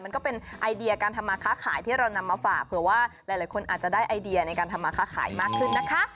ก็เป็นไอเดียการทำมาค้าขายที่เรานำมาฝากเผื่อว่าหลายคนอาจจะได้ไอเดียในการทำมาค้าขายมากขึ้นนะคะ